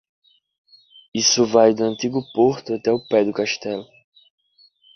Isso vai do antigo porto até o pé do castelo.